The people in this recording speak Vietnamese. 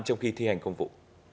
trong khi thi hành công vụ